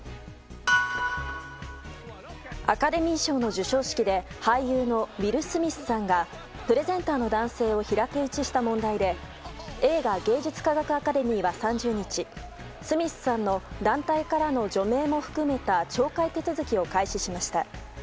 アカデミー賞の授賞式で俳優のウィル・スミスさんがプレゼンターの男性を平手打ちした問題で映画芸術科学アカデミーは３０日スミスさんの団体からの除名も含めた懲戒手続きを開始しました。